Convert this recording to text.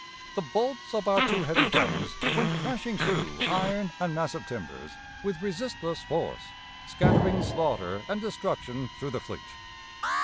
The bolts of our two heavy guns went crashing through iron and massive timbers with resistless force, scattering slaughter and destruction through the fleet.